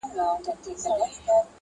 ماته په اورغوي کي ازل موجونه کښلي وه،